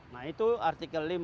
nah itu artikel lima